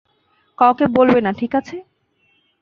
কাউকে বলবে না, ঠিকাছে?